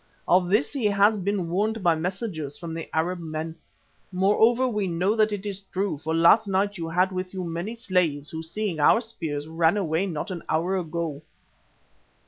Of this he has been warned by messengers from the Arab men. Moreover, we know that it is true, for last night you had with you many slaves who, seeing our spears, ran away not an hour ago."